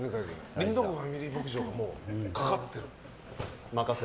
りんどう湖ファミリー牧場がかかってる。